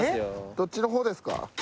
どっちのほうですか？